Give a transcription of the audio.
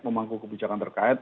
memangku kebijakan terkait